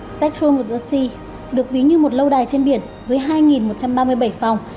spectrum of justice được ví như một lâu đài trên biển với hai một trăm ba mươi bảy phòng